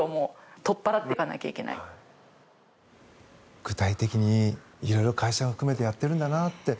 具体的に色々会社を含めてやっているんだなって。